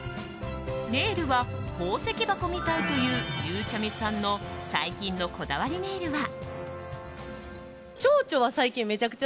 ネイルは宝石箱みたいというゆうちゃみさんの最近のこだわりネイルは。